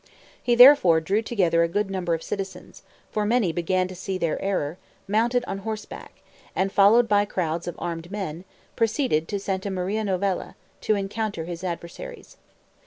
He therefore drew together a good number of citizens (for many began to see their error), mounted on horseback, and followed by crowds of armed men, proceeded to Santa Maria Novella, to encounter his adversaries.